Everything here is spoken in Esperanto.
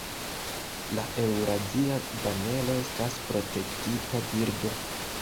La Eŭrazia vanelo estas protektita birdo.